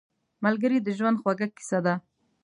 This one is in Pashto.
ملګری د ژوند خوږه کیسه ده